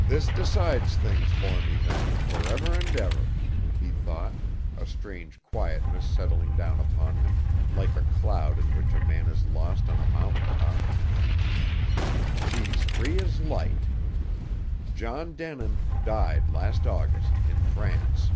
"This decides things for me, then, forever and ever," he thought, a strange quietness settling down upon him, like a cloud in which a man is lost on a mountain top. "She's free as light. John Denin died last August in France."